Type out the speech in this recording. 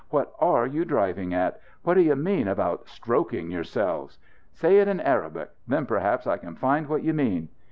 "What are you driving at? What do you mean about 'stroking yourselves'? Say it in Arabic. Then perhaps I can find what you mean."